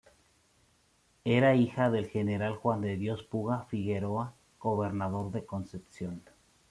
Era hija del General Juan de Dios Puga Figueroa, Gobernador de Concepción.